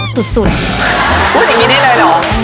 พูดอย่างนี้ได้เลยเหรอ